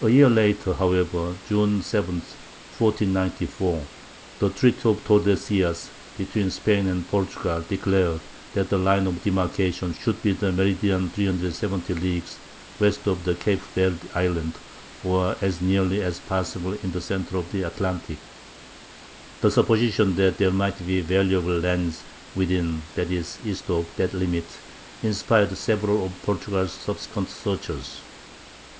A year later, however (June 7, 1494), the treaty of Tordesillas, between Spain and Portugal, declared that the line of demarcation should be the meridian 370 leagues west of the Cape Verd Islands, or as nearly as possible in the center of the Atlantic. The supposition that there might be valuable lands within, that is, east of, that limit, inspired several of Portugal's subsequent searchers.